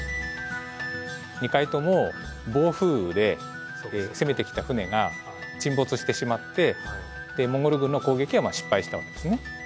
２回とも暴風雨で攻めてきた船が沈没してしまってモンゴル軍の攻撃は失敗したわけですね。